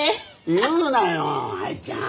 言うなよアイちゃん。